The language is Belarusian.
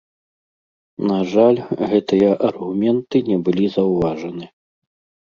На жаль, гэтыя аргументы не былі заўважаны.